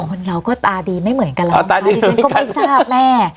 คนเราก็ตาดีไม่เหมือนกันแล้วตาดีกันไม่เหมือนกันตาดีกันก็ไม่ทราบแม่